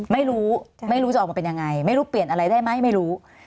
ไม่รู้ไม่รู้จะออกมาเป็นยังไงไม่รู้เปลี่ยนอะไรได้ไหมไม่รู้